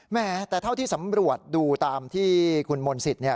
แม้แต่เท่าที่สำรวจดูตามที่คุณมนต์สิทธิ์เนี่ย